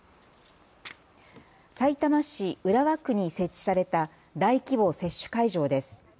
さいたま市浦和区に設置された大規模接種会場です。